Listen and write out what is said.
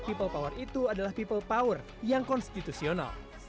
people power itu adalah people power yang konstitusional